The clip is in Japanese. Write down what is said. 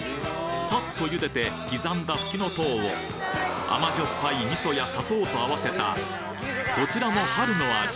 サッと茹でて刻んだふきのとうを甘じょっぱい味噌や砂糖と合わせたこちらも春の味。